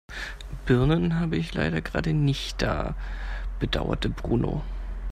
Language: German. Birnen habe ich leider gerade nicht da, bedauerte Bruno.